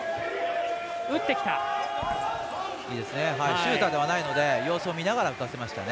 シューターではないので様子を見ながら打たせましたね。